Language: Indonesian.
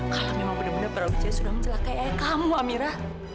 kalau memang benar benar para wc sudah menjelaskan ayah kamu amira